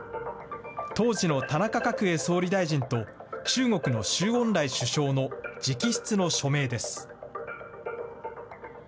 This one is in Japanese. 当時の田中角栄総理大臣と、中国の周恩来首相の直筆の署名です。